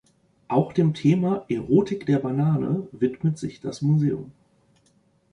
Auch dem Thema "Erotik der Banane" widmet sich das Museum.